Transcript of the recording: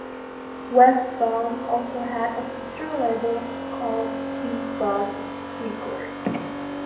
Westbound also had a sister label called Eastbound Records.